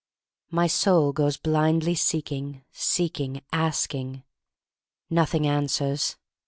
My soul goes blindly seeking, seek ing, asking. Nothing answers.